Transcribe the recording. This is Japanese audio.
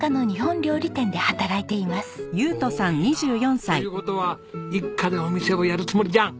おおいいな。という事は一家でお店をやるつもりじゃん！